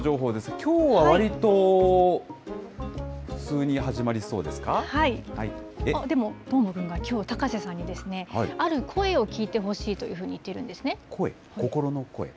きょうはわりと普通に始まりそうでも、どーもくんがきょう、高瀬さんにある声を聞いてほしいというふうに言っているんですね。